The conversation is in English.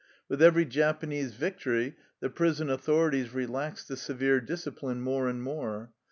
With every Japanese victory the prison authorities relaxed the severe discipline more and more.